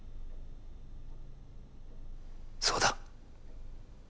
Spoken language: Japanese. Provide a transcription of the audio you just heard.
そうだ。